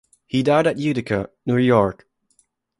He died at Utica, New York.